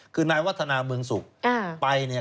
คือนายวัฒนาเมืองสุขไปเนี่ย